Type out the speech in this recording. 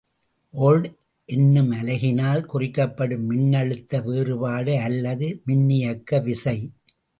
Old என்னும் அலகினால் குறிக்கப்படும் மின்னழுத்த வேறுபாடு அல்லது மின்னியக்கு விசை.